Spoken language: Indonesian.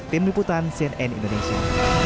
tim liputan cnn indonesia